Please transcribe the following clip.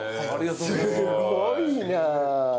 すごいな！